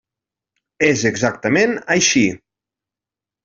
És exactament així.